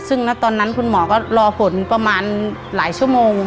ซึ่งณตอนนั้นคุณหมอก็รอผลประมาณหลายชั่วโมง